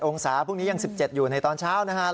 องศาพรุ่งนี้ยัง๑๗อยู่ในตอนเช้านะครับ